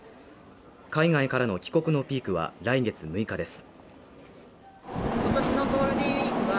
海外からの帰国のピークは来月６日です。